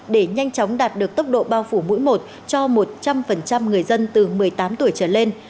để nhanh chóng đạt được tốc độ bao phủ mũi một cho một trăm linh người dân từ một mươi tám tuổi trở lên